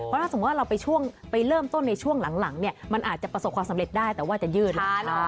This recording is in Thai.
ถ้าสมมุติว่าเราไปช่วงไปเริ่มต้นในช่วงหลังเนี่ยมันอาจจะประสบความสำเร็จได้แต่ว่าจะยืด